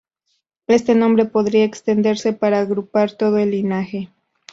Este nombre podría extenderse para agrupar todo el linaje.